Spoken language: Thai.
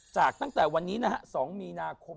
ตั้งแต่วันนี้นะฮะ๒มีนาคม